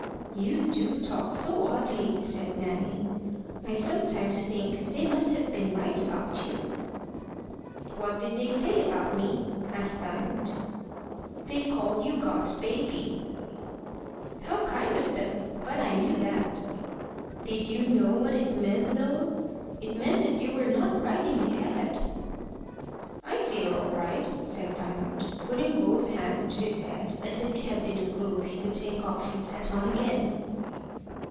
"You do talk so oddly!" said Nanny. "I sometimes think they must have been right about you." "What did they say about me?" asked Diamond. "They called you God's baby." "How kind of them! But I knew that." "Did you know what it meant, though? It meant that you were not right in the head." "I feel all right," said Diamond, putting both hands to his head, as if it had been a globe he could take off and set on again.